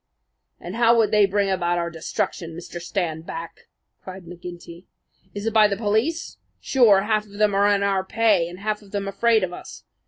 "And how would they bring about our destruction, Mr. Standback?" cried McGinty. "Is it by the police? Sure, half of them are in our pay and half of them afraid of us.